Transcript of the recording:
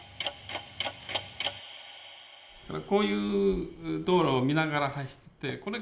こういう道路を見ながら走ってて。